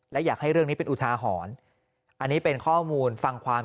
และอยากให้เรื่องนี้เป็นอุทาหรณ์อันนี้เป็นข้อมูลฟังความ